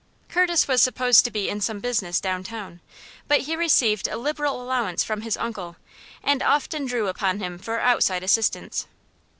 Curtis was supposed to be in some business downtown; but he received a liberal allowance from his uncle, and often drew upon him for outside assistance.